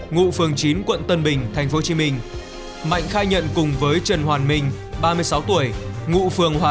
ngụ phường chín quận tân bình tp hcm mạnh khai nhận cùng với trần hoàn minh ba mươi sáu tuổi ngụ phường hòa